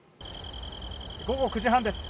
午後９時半です。